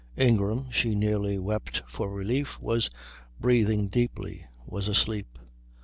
Ingram she nearly wept for relief was breathing deeply, was asleep.